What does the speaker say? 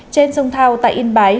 trên sông thao tại yên bái